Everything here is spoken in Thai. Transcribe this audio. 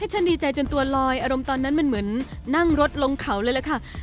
ฉันดีใจจนตัวลอยอารมณ์ตอนนั้นมันเหมือนนั่งรถลงเขาเลยล่ะค่ะ